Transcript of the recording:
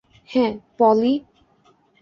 হ্যাঁ, পলি।